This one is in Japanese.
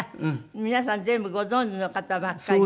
皆さん全部ご存じの方ばっかりね。